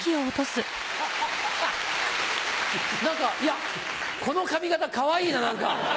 何かこの髪形かわいいな何か。